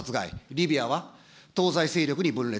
リビアは東西勢力に分裂。